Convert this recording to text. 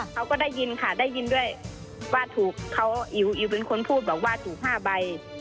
เขาก็ได้ยินค่ะได้ยินด้วยว่าถูกเขาอิ๋วอิ๋วเป็นคนพูดบอกว่าถูก๕ใบ